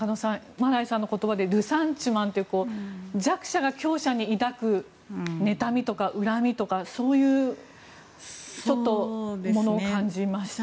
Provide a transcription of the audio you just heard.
マライさんの言葉でルサンチマンという弱者が強者に抱く妬みとか恨みとか、そういうものを感じました。